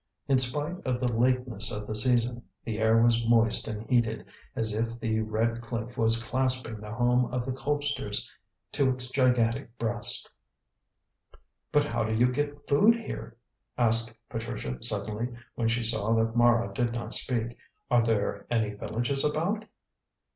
In spite of the lateness of the season, the air was moist and heated, as if the red cliff was clasping the home of the Colpsters to its gigantic breast. "But how do you get food here?" asked Patricia suddenly, when she saw that Mara did not speak; "are there any villages about?"